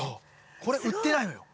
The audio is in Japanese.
これ売ってないのよ。